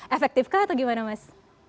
efektif kah atau gimana mas